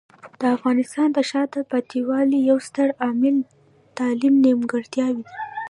د افغانستان د شاته پاتې والي یو ستر عامل تعلیمي نیمګړتیاوې دي.